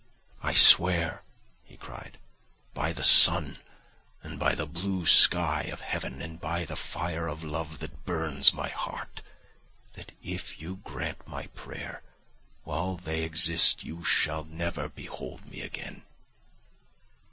"I swear," he cried, "by the sun, and by the blue sky of heaven, and by the fire of love that burns my heart, that if you grant my prayer, while they exist you shall never behold me again.